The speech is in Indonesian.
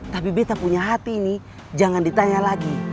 tapi beta punya hati nih jangan ditanya lagi